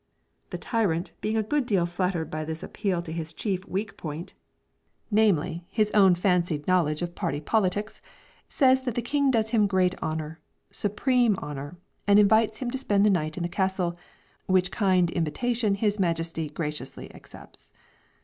The tyrant being a good deal flattered by this appeal to his chief weak point namely, his own fancied knowledge of party politics says that the king does him great honour "supreme honour" and invites him to spend the night in the castle; which kind invitation his majesty graciously accepts.